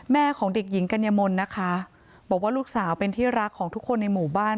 ของเด็กหญิงกัญญมนต์นะคะบอกว่าลูกสาวเป็นที่รักของทุกคนในหมู่บ้าน